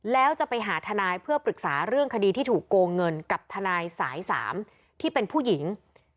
แล้วจะไปหาทนายเพื่อปรึกษาเรื่องคดีที่ถูกโกงเงินกับทนายสาย๓ที่เป็นผู้หญิง